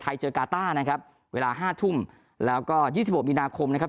เจอกาต้านะครับเวลาห้าทุ่มแล้วก็ยี่สิบหกมีนาคมนะครับ